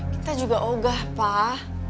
kita juga ogah pak